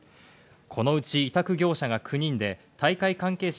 このうち委託業者が９人で、大会関係者